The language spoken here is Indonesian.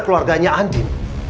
aku mau ketemu dengan anden